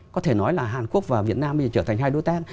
có thể nói là hàn quốc và việt nam bây giờ trở thành hai đối tác